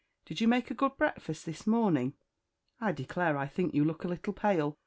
Did you make a good breakfast this morning? I declare I think you look a little pale.